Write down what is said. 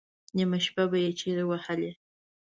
نیمه شپه به یې چیغې وهلې.